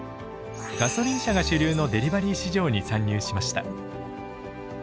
ガソリン車が主流のデリバリー市場に参入しました。